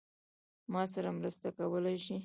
ما سره مرسته کولای شې؟